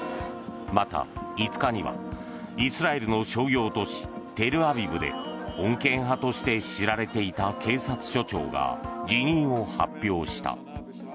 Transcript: また、５日にはイスラエルの商業都市テルアビブで穏健派として知られていた警察署長が辞任を発表した。